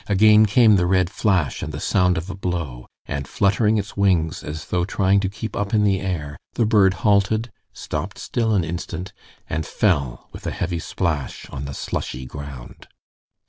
Again came the red flash and the sound of a blow, and fluttering its wings as though trying to keep up in the air, the bird halted, stopped still an instant, and fell with a heavy splash on the slushy ground.